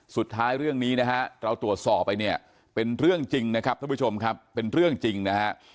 เรื่องนี้นะฮะเราตรวจสอบไปเนี่ยเป็นเรื่องจริงนะครับท่านผู้ชมครับเป็นเรื่องจริงนะฮะ